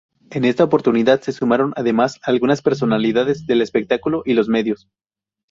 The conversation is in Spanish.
En esta oportunidad se sumaron, además, algunas personalidades del espectáculo y los medios.